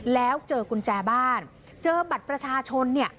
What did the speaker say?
แล้วเจอกุญแจบ้านเจอบัตรประชาชนเนี่ย